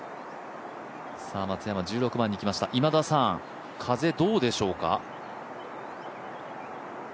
松山、１６番に来ました、今田さん、風どうでしょうか？